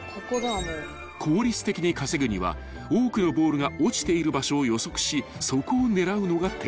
［効率的に稼ぐには多くのボールが落ちている場所を予測しそこを狙うのが鉄則］